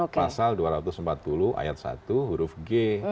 pasal dua ratus empat puluh ayat satu huruf g